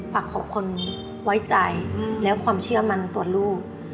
ฝากขอบคุณไว้ใจแล้วความเชื่อมันตัวลูก